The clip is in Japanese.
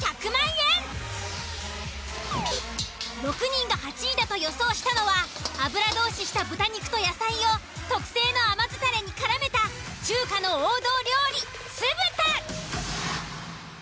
６人が８位だと予想したのは油通しした豚肉と野菜を特製の甘酢タレにからめた中華の王道料理酢豚。